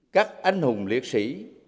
các anh hùng liệt sĩ